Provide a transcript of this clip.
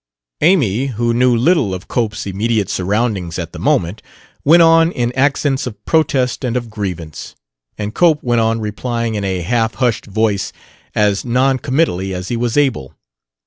Amy, who knew little of Cope's immediate surroundings at the moment, went on in accents of protest and of grievance, and Cope went on replying in a half hushed voice as non committally as he was able.